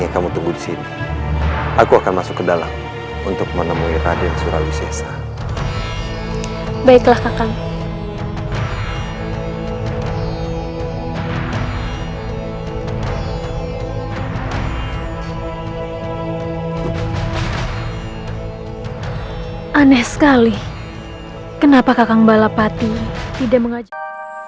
kenapa kakang balapati tidak mengajak